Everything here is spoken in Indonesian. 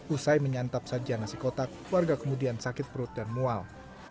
usai menyantap sajian nasi kotak warga kemudian sakit perut dan mual